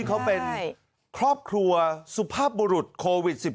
เขาเป็นครอบครัวสุภาพบุรุษโควิด๑๙